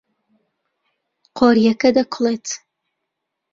قۆریەکە دەکوڵێت.